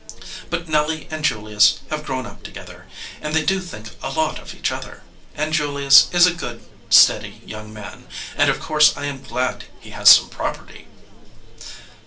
But Nelly and Julius have grown up together, and they do think a lot of each other, and Julius is a good, steady young man, and of course I am glad he has some property."